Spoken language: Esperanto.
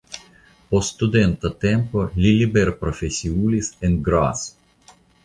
Post studenta tempo li liberprofesiulis en Graz.